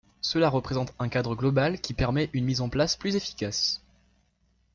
Cela représente un cadre global qui permet une mise en place plus efficace.